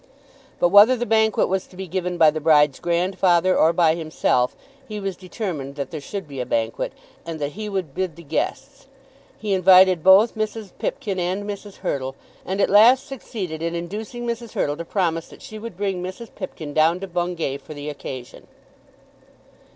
But whether the banquet was to be given by the bride's grandfather or by himself, he was determined that there should be a banquet, and that he would bid the guests. He invited both Mrs. Pipkin and Mrs. Hurtle, and at last succeeded in inducing Mrs. Hurtle to promise that she would bring Mrs. Pipkin down to Bungay, for the occasion.